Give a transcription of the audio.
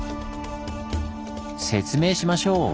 説明しましょう！